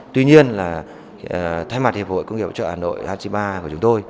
tuy nhiên thay mặt hiệp hội công nghiệp hỗ trợ hà nội hà chí ba